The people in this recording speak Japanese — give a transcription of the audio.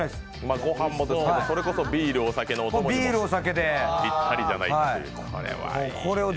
ご飯もつけて、それこそビール、お酒にぴったりじゃないかという。